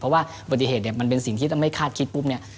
เพราะว่าปฏิเหตุเนี่ยมันเป็นสิ่งที่ต้องไม่คาดคิดปุ๊บเนี่ย